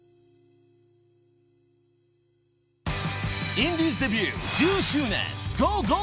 ［インディーズデビュー１０周年ｇｏ！